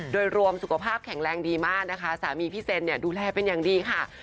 โดยรวมสุขภาพแข็งแรงดีมากนะคะสามีพี่เซนเนี่ยดูแลเป็นอย่างดีค่ะ